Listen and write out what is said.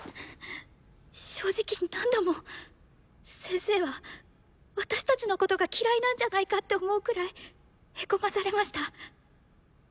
正直何度も先生は私たちのことが嫌いなんじゃないかって思うくらいへこまされました。